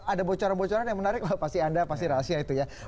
ada bocoran bocoran yang menarik loh pasti anda pasti rahasia itu ya